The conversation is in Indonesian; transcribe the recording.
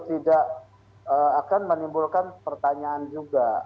tidak akan menimbulkan pertanyaan juga